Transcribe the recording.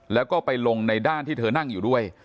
แล้วก็ไปลงในด้านที่เธอนั่งอยู่ด้วย